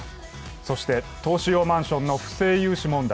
そして投資用マンションの不正融資問題。